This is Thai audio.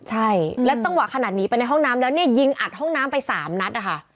ใช่แล้วจังหวะขนาดนี้ไปในห้องน้ำแล้วเนี่ยยิงอัดห้องน้ำไปสามนัดนะคะ